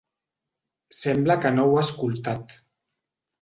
Sembla que no ho ha escoltat.